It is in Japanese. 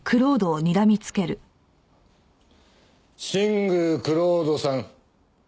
新宮蔵人さん。